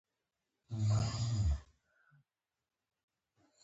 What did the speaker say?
افغانستان د زردالو په برخه کې لوی نړیوال شهرت لري.